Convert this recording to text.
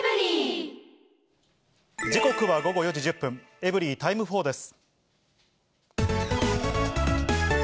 時刻は午後４時１０分、エブリィタイム４です。